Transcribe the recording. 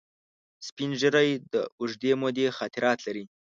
سپین ږیری د اوږدې مودې خاطرات لري